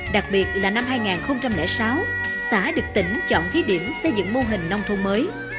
đặc biệt là năm hai nghìn sáu xã được tỉnh chọn thí điểm xây dựng mô hình nông thôn mới